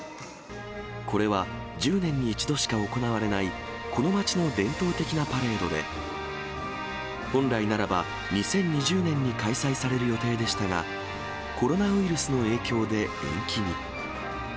これは、１０年に１度しか行われない、この町の伝統的なパレードで、本来ならば、２０２０年に開催される予定でしたが、コロナウイルスの影響で延期に。